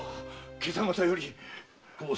今朝方より。